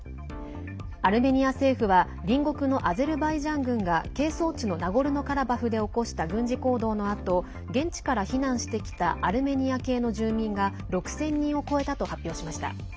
アルメニア政府は隣国のアゼルバイジャン軍が係争地のナゴルノカラバフで起こした軍事行動のあと現地から避難してきたアルメニア系の住民が６０００人を超えたと発表しました。